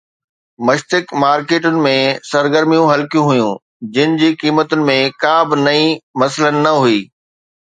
مشتق مارڪيٽن ۾ سرگرميون هلڪيون هيون جن جي قيمتن ۾ ڪا به نئين مسئلن نه هئي